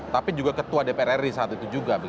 tapi juga ketua dpr ri saat itu juga